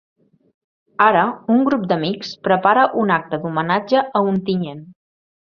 Ara, un grup d’amics prepara un acte d’homenatge a Ontinyent.